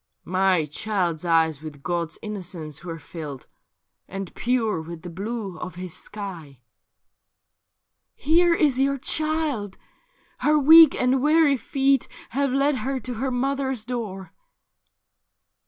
' My child's eyes with God's innocence zuere filled, And pure with the blue of His sky.' ' Here is your child ; her weak and weary feet Have led her to her mother's door.'